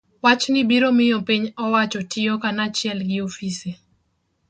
Wachni biro miyo piny owacho tiyo kanachiel gi ofise